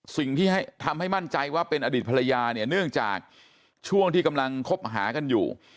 สิ่งที่ทำให้มั่นใจว่าเป็นอดีตภรรยาเนี่ยเนื่องจากช่วงที่กำลังคบหากันอยู่